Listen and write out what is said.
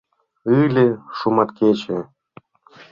Ыле шуматкече